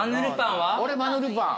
俺マヌルパン。